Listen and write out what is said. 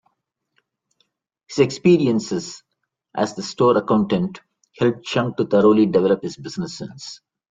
His experiences as the store accountant helped Chung to thoroughly develop his business sense.